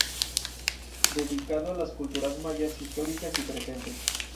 Dedicado a las culturas mayas históricas y presentes.